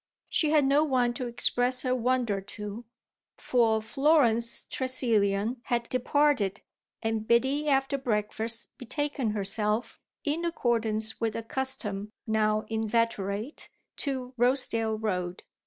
She had no one to express her wonder to, for Florence Tressilian had departed and Biddy after breakfast betaken herself, in accordance with a custom now inveterate, to Rosedale Road.